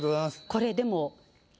これでも。